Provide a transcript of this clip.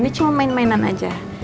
ini cuma main mainan aja